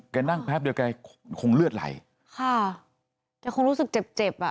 นั่งแป๊บเดียวแกคงเลือดไหลค่ะแกคงรู้สึกเจ็บเจ็บอ่ะ